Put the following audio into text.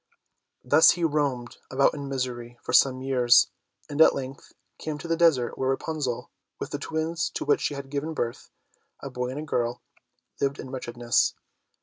Thus he roamed about in misery for some years, and at length came to the desert where Rapunzel, with the twins to which she had given birth, a boy and a girl, lived in wretchedness.